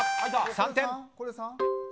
３点。